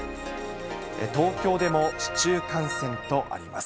東京でも市中感染とあります。